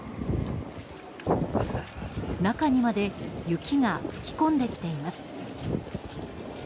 中にまで雪が吹き込んできています。